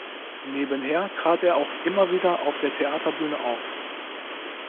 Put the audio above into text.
Nebenher trat er auch immer wieder auf der Theaterbühne auf.